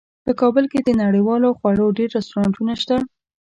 په کابل کې د نړیوالو خوړو ډیر رستورانتونه شته